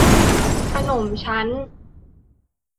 ขนมชั้น